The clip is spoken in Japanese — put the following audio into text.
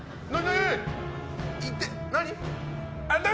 何？